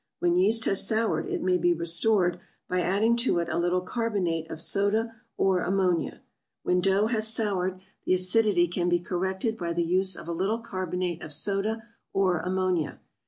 When yeast has soured it may be restored by adding to it a little carbonate of soda or ammonia. When dough has soured, the acidity can be corrected by the use of a little carbonate of soda or ammonia.